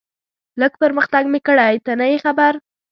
لږ پرمختګ مې کړی، ته نه یې خبر.